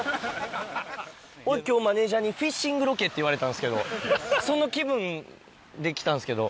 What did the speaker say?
俺、きょう、マネージャーにフィッシングロケって言われたんですけど、その気分で来たんすけど。